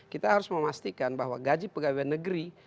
kita harus memastikan bahwa gaji pegawai negeri